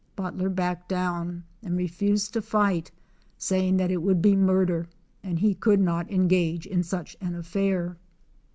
Butler backed down and refused to fight, saying that it would be murder and he could not engage in such an afiPair.